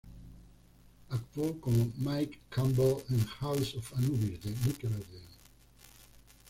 Actuó como Mick Campbell en "House of Anubis" de Nickelodeon.